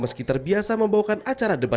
meski terbiasa membawakan acara di jawa tengah